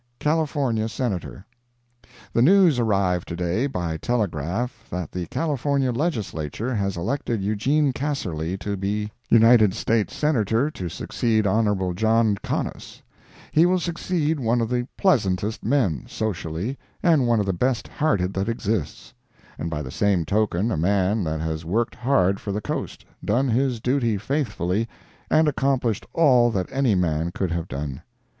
California Senator. The news arrived to day by telegraph that the California Legislature has elected Eugene Casserly to be United States Senator to succeed Hon. John Conness. He will succeed one of the pleasantest men, socially, and one of the best hearted that exists; and by the same token a man that has worked hard for the coast, done his duty faithfully, and accomplished all that any man could have done.